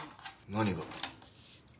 何が？